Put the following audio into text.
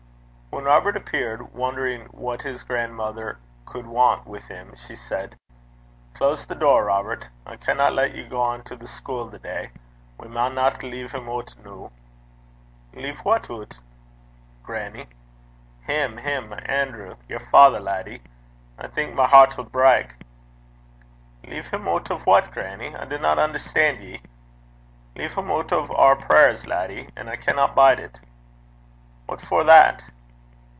When Robert appeared, wondering what his grandmother could want with him, she said: 'Close the door, Robert. I canna lat ye gang to the schule the day. We maun lea' him oot noo.' 'Lea' wha oot, grannie?' 'Him, him Anerew. Yer father, laddie. I think my hert 'll brak.' 'Lea' him oot o' what, grannie? I dinna unnerstan' ye.' 'Lea' him oot o' oor prayers, laddie, and I canna bide it.' 'What for that?'